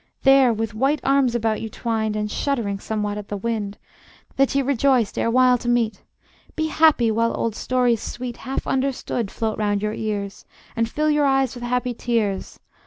There, with white arms about you twined, And shuddering somewhat at the wind That ye rejoiced erewhile to meet, Be happy, while old stories sweet, Half understood, float round your ears, And fill your eyes with happy tears.